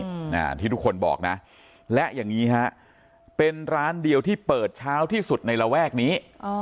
อืมอ่าที่ทุกคนบอกนะและอย่างงี้ฮะเป็นร้านเดียวที่เปิดเช้าที่สุดในระแวกนี้อ๋อ